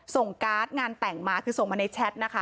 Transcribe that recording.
การ์ดงานแต่งมาคือส่งมาในแชทนะคะ